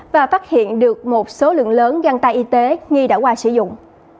và phát hiện được một số lượng lớn găng tay y tế nghi đã qua sử dụng